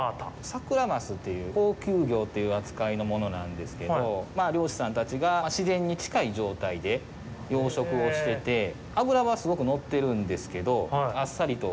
サクラマスという高級魚という扱いのものなんですけど、漁師さんたちが自然に近い状態で養殖をしてて、脂はすごくのってるんですけど、あっさりと。